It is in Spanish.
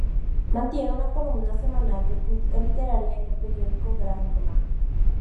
Mantiene una columna semanal de crítica literaria en el Periódico Granma.